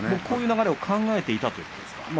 こういう流れを考えていたということですか。